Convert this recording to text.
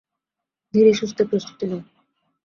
ধীরেসুস্থে প্রস্তুতী নাও।